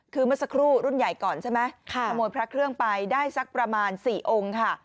คือเมื่อสักครู่รุ่นใหญ่ก่อนใช่ไหมขโมยพระเครื่องไปได้สักประมาณ๔องค์ค่ะ